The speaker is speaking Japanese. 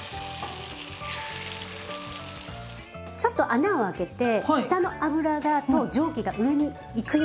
ちょっと穴をあけて下の油と蒸気が上に行くように。